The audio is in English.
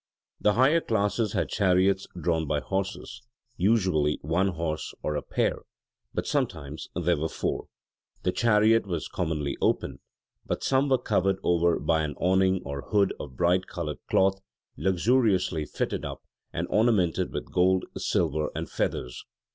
The higher classes had chariots drawn by horses: usually one horse or a pair: but sometimes there were four. The chariot was commonly open: but some were covered over by an awning or hood of bright coloured cloth, luxuriously fitted up, and ornamented with gold, silver, and feathers.